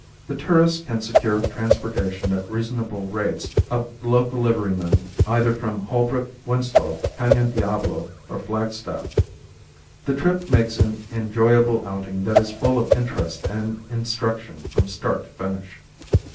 The tourist can secure transportation at reasonable rates of local liverymen either from Holbrook, Winslow, Canon Diablo or Flagstaff. The trip makes an enjoyable outing that is full of interest and instruction from start to finish.